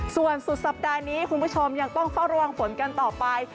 ส่วนสุดสัปดาห์นี้คุณผู้ชมยังต้องเฝ้าระวังฝนกันต่อไป